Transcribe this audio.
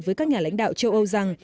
với các nhà lãnh đạo châu âu rằng